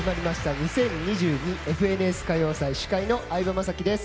「２０２２ＦＮＳ歌謡祭」司会の相葉雅紀です。